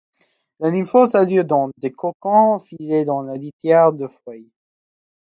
La nymphose a lieu dans des cocons filés dans la litière de feuilles.'.